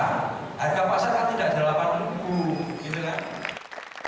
harga pasar kan tidak ada rp delapan gitu kan